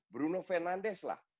bruno fernandes lah